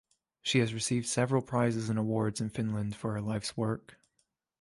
She has received several prizes and awards in Finland for her life's work.